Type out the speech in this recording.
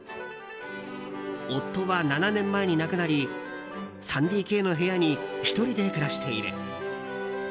夫は７年前に亡くなり３ＤＫの部屋に１人で暮らしている。